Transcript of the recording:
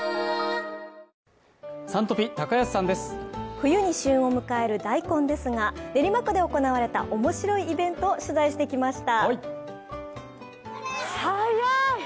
冬に旬を迎える大根ですが練馬区で行われた面白いイベントを取材してきました。